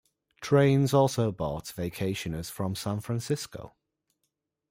Trains also brought vacationers from San Francisco.